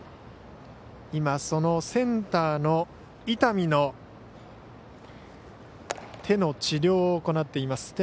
センターの伊丹の手の治療を行っています。